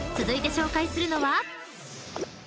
［続いて紹介するのは？］